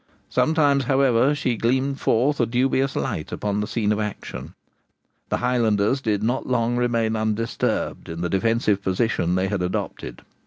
Sometimes, however, she gleamed forth a dubious light upon the scene of action. The Highlanders did not long remain undisturbed in the defensive position they had adopted.